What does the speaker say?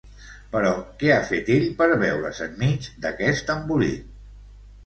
Però, què ha fet ell per veure's enmig d'aquest embolic?